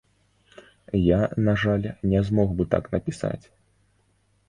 Я, на жаль, не змог бы так напісаць.